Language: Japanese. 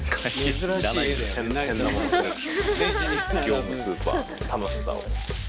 業務スーパーの楽しさを。